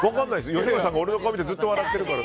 吉村さんが俺の顔見ってずっと笑ってるから。